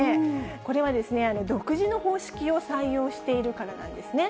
これは独自の方式を採用しているからなんですね。